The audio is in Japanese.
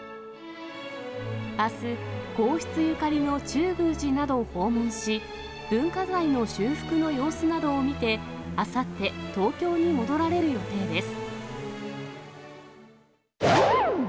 あす、皇室ゆかりの中宮寺などを訪問し、文化財の修復の様子などを見て、あさって、東京に戻られる予定です。